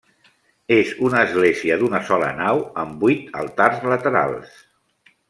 És una església d'una sola nau amb vuit altars laterals.